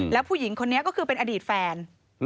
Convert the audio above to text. แล้วผู้หญิงคนนี้ก็คือเป็นอดีตแฟน